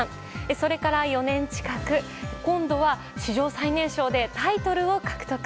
それから、４年近く今度は史上最年少でタイトルを獲得。